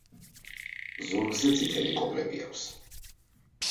ზურგზე წითელი კოპლები აქვს.